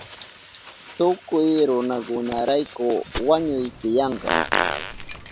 Tukuy runakunarayku wañuy tiyanka.